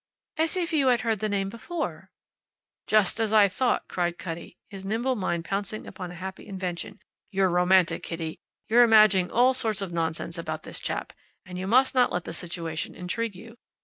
"As if you had heard the name before?" "Just as I thought!" cried Cutty, his nimble mind pouncing upon a happy invention. "You're romantic, Kitty. You're imagining all sorts of nonsense about this chap, and you must not let the situation intrigue you.